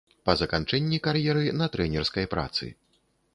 Па заканчэнні кар'еры на трэнерскай працы.